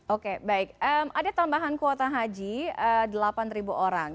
oke baik ada tambahan kuota haji delapan orang